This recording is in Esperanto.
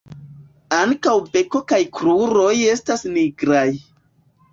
Ankaŭ beko kaj kruroj estas nigraj.